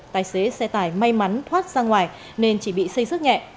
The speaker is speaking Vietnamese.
tài xế xe tải may mắn thoát ra ngoài nên chỉ bị xây sức nhẹ